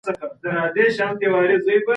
د پښتو ادب ساتنه د هر پښتون دنده ګڼل کېږي.